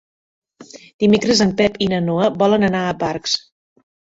Dimecres en Pep i na Noa volen anar a Barx.